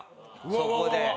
そこで。